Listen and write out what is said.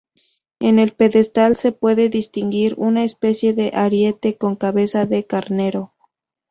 En el pedestal se puede distinguir una especie de ariete con cabeza de carnero.